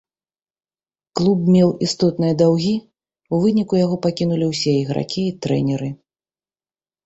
Клуб меў істотныя даўгі, у выніку яго пакінулі ўсе ігракі і трэнеры.